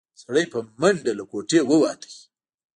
سړی په منډه له کوټې ووت.